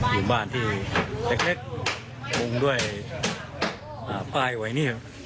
อยู่บ้านที่เล็กมุงด้วยป้ายไว้เนี่ย